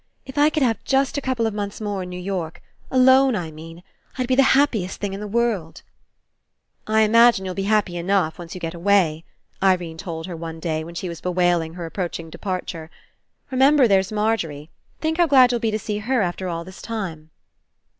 If I could have just a couple of months more in New York, alone I mean, I'd be the happiest thing in the world." 147 PASSING "I Imagine you'll be happy enough, once you get away," Irene told her one day when she was bewailing her approaching departure. "Remember, there's Margery. Think how glad you'll be to see her after all this time."